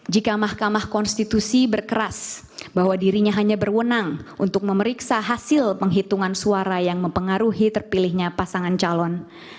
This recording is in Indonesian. jika mahkamah konstitusi berkeras bahwa dirinya hanya berwenang untuk memeriksa hasil penghitungan suara yang mempengaruhi terpilihnya pasangan calon